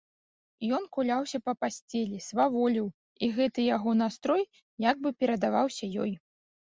Ён куляўся па пасцелі, сваволіў, і гэты яго настрой як бы перадаваўся ёй.